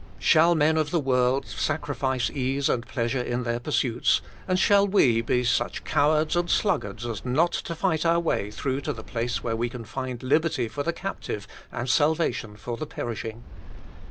Shall men of the world sacrifice ease and pleasure in their pursuits, and shall we be such cowards and sluggards as not to fight our way through to the place where we can find liberty for the captive and salvation for the perishing